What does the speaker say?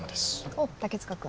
おっ竹塚君。